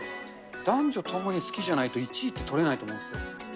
男女ともに好きじゃないと、１位って取れないと思うんですよ。